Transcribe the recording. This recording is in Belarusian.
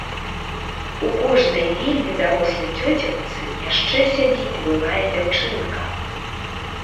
У кожнай вельмі дарослай цёцечцы яшчэ сядзіць былая дзяўчынка.